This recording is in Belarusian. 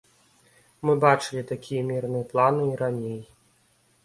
Мы бачылі такія мірныя планы і раней.